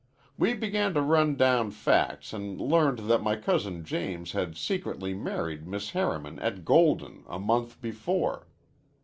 "We began to run down facts an' learned that my cousin James had secretly married Miss Harriman at Golden a month before.